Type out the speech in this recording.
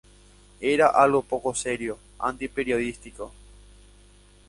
Era algo poco serio, anti-periodístico".